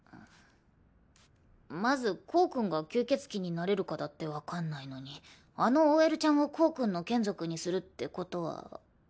まずコウ君が吸血鬼になれるかだって分かんないのにあのＯＬちゃんをコウ君の眷属にするってことは。